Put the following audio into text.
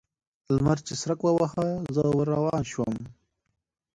لمر چې څرک واهه؛ زه ور روان شوم.